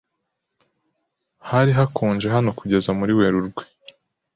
Hari hakonje hano kugeza muri Werurwe.